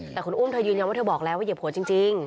แต่คุณอุ้มเธอยืนยันว่าเธอบอกแล้วว่าเหยียบหัวจริง